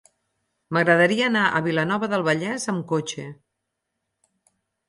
M'agradaria anar a Vilanova del Vallès amb cotxe.